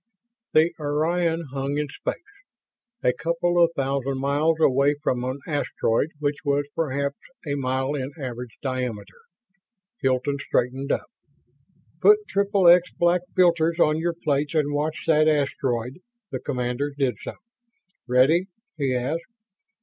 X The Orion hung in space, a couple of thousands of miles away from an asteroid which was perhaps a mile in average diameter. Hilton straightened up. "Put Triple X Black filters on your plates and watch that asteroid." The commanders did so. "Ready?" he asked.